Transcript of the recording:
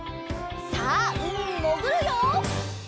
さあうみにもぐるよ！